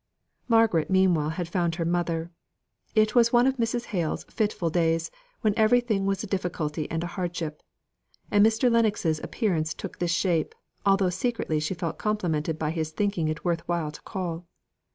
Margaret meanwhile had found her mother. It was one of Mrs. Hale's fitful days, when everything was a difficulty and a hardship: and Mr. Lennox's appearance took this shape, although secretly she felt complimented by his thinking it worth while to call.